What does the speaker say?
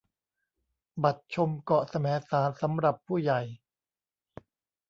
บัตรชมเกาะแสมสารสำหรับผู้ใหญ่